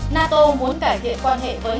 nato muốn cải thiện quan trọng